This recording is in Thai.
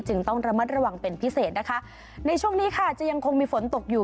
ต้องระมัดระวังเป็นพิเศษนะคะในช่วงนี้ค่ะจะยังคงมีฝนตกอยู่